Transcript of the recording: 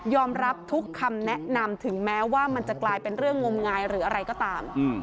รับทุกคำแนะนำถึงแม้ว่ามันจะกลายเป็นเรื่องงมงายหรืออะไรก็ตาม